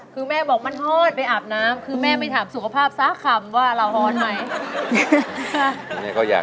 แฮน๋ไม่ได้ต้องใส่เอาผัดยาง